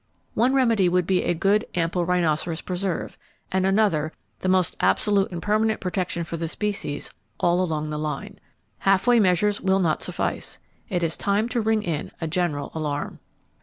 One remedy would be a good, ample rhinoceros preserve; and another, the most absolute and permanent protection for the species, all along the line. Half way measures will not suffice. It is time to ring in a general alarm.